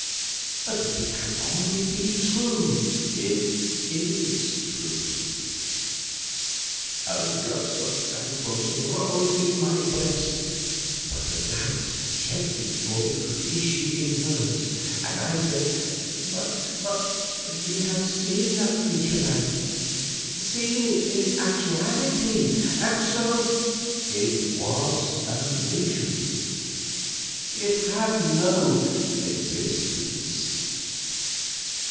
But if it can only be true " "It is true." A gust of thankfulness rose in my breast, but a doubt checked it before it could issue in words, and I said, "But but we have seen that future life seen it in its actuality, and so " "It was a vision it had no existence."